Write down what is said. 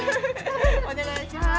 お願いします。